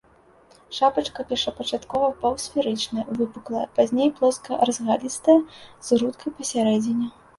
Шапачка першапачаткова паўсферычная, выпуклая, пазней плоска-разгалістая, з грудкай пасярэдзіне.